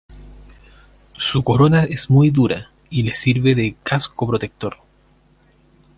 Su corona es muy dura y le sirve de casco protector.